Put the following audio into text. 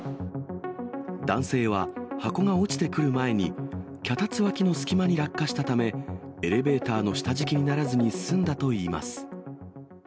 男性は箱が落ちてくる前に、脚立脇の隙間に落下したため、エレベーターの下敷きにならずに済んだといいます。